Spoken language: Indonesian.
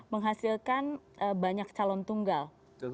menghasilkan banyak calon tunggal